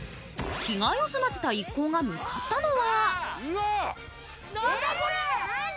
着替えを済ませた一行が向かったのは。